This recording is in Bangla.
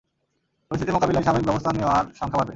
পরিস্থিতি মোকাবিলায় সাময়িক ব্যবস্থা নেওয়ার সংখ্যা বাড়বে।